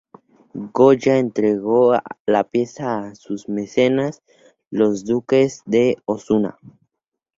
Goya entregó la pieza a sus mecenas, los duques de Osuna.